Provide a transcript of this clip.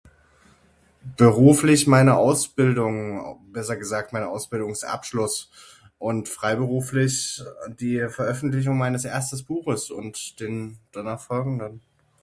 Beruflich meine Ausbildung, besser gesagt mein Ausbildungsabschluss und Freiberuflich die Veröffentlichung meines erstes Buches und den danach folgenden.